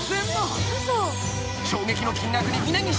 ［衝撃の金額に峯岸］